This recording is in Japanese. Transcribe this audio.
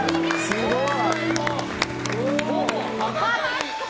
すごい！